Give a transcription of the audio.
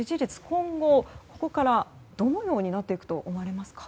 今後ここからどのようになっていくと思いますか？